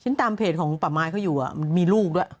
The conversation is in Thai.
ตามเพจของป่าไม้เขาอยู่มีลูกด้วย